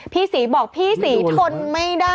พี่ศรีบอกพี่ศรีทนไม่ได้